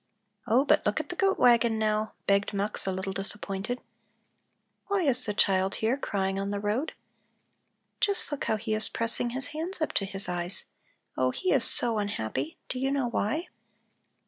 "Oh, but look at the goat wagon, now," begged Mux, a little disappointed. "Why is the child here crying on the road? Just look how he is pressing his hands up to his eyes! Oh, he is so unhappy! Do you know why?"